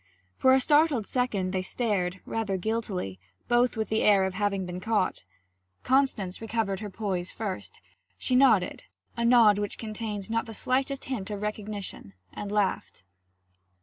For a startled second they stared rather guiltily both with the air of having been caught. Constance recovered her poise first; she nodded a nod which contained not the slightest hint of recognition and laughed.